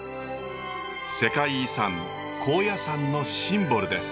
世界遺産高野山のシンボルです。